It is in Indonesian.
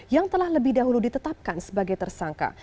yang telah lebih dahulu ditetapkan sebagai tersangka